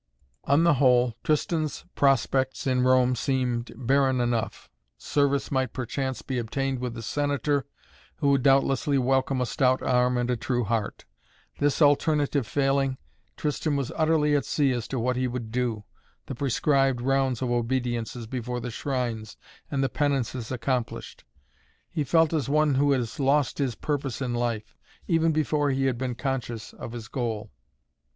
On the whole, Tristan's prospects in Rome seemed barren enough. Service might perchance be obtained with the Senator, who would doubtlessly welcome a stout arm and a true heart. This alternative failing, Tristan was utterly at sea as to what he would do, the prescribed rounds of obediences before the shrines and the penances accomplished. He felt as one who has lost his purpose in life, even before he had been conscious of his goal.